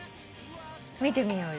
見てみようよ。